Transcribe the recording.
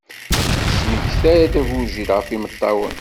Tesmekta-d agujil ɣef yimeṭṭawen.